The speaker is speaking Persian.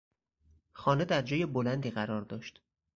خانه در جای بلندی قرار داشت.